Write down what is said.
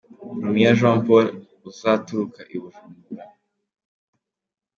Rumiya Jean Paul uzaturuka i Bujumbura ».